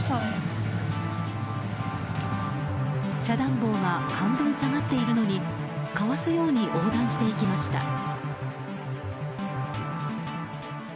遮断棒が半分下がっているのにかわすように横断していきました。